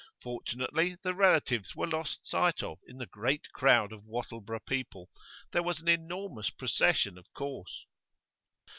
Fortunately the relatives were lost sight of in the great crowd of Wattleborough people; there was an enormous procession, of course.